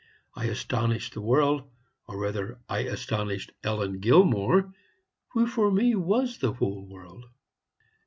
I astonished the world or rather, I astonished Ellen Gilmore, who for me was the whole world.